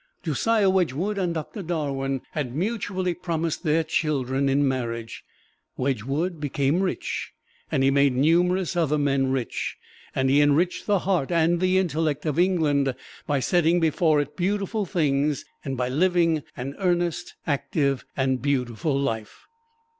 Josiah Wedgwood and Doctor Darwin had mutually promised their children in marriage. Wedgwood became rich and he made numerous other men rich, and he enriched the heart and the intellect of England by setting before it beautiful things, and by living an earnest, active and beautiful life.